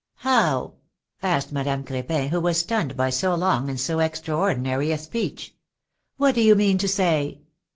^^How?" asked Madame Cr4pin, who was stunned by so long and so extraordinary a speech. What do you mean to say